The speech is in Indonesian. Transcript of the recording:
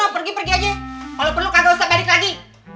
pergi aja kalo perlu kagak usah balik lagi